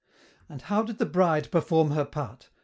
And how did the Bride perform her part?